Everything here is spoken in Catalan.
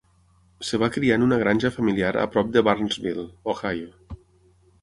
Es va criar en una granja familiar a prop de Barnesville, Ohio.